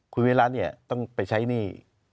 คุณวิรัติเนี่ยต้องไปใช้หนี้